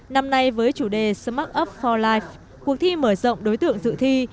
năm nay với chủ đề smart up for life cuộc thi mở rộng đối tượng dự thi